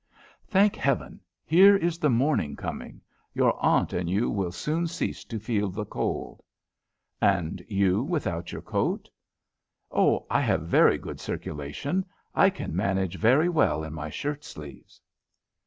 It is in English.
Thank Heaven, here is the morning coming. Your aunt and you will soon cease to feel the cold." "And you without your coat?" "Oh, I have a very good circulation. I can manage very well in my shirt sleeves."